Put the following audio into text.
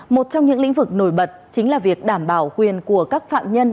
một trong những lĩnh vực nổi bật chính là việc đảm bảo quyền của các phạm nhân